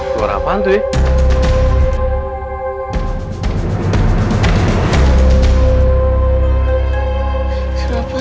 suara apaan tuh ya